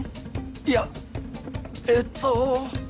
いやえっと。